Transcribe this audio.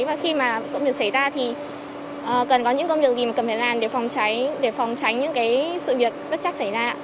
và khi mà công việc xảy ra thì cần có những công việc gì mà cần phải làm để phòng cháy để phòng cháy những cái sự việc bất chắc xảy ra